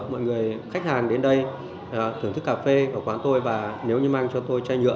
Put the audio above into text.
mọi người khách hàng đến đây thưởng thức cà phê ở quán tôi và nếu như mang cho tôi chai nhựa